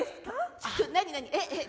ちょっと何何えっえっ誰？